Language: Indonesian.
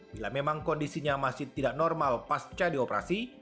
bila memang kondisinya masih tidak normal pasca dioperasi